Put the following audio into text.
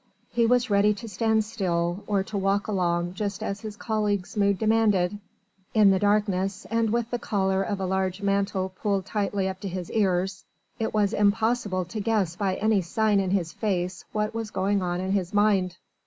He was ready to stand still or to walk along just as his colleague's mood demanded; in the darkness, and with the collar of a large mantle pulled tightly up to his ears, it was impossible to guess by any sign in his face what was going on in his mind.